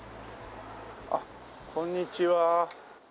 あっこんにちは。